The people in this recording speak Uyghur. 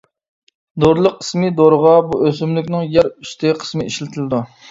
دورىلىق قىسمى دورىغا بۇ ئۆسۈملۈكنىڭ يەر ئۈستى قىسمى ئىشلىتىلىدۇ.